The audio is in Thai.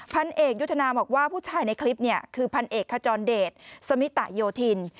พันเอกยุทธนาบอกว่าผู้ชายในคลิปเนี่ยคือพันเอกขจรเดชสมิตะโยธิน